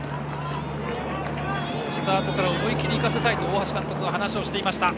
スタートから思い切り行かせたいと大橋監督は話をしていました。